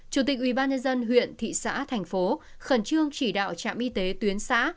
chủ tịch ubnd huyện thị xã thành phố khẩn trương chỉ đạo trạm y tế tuyến xã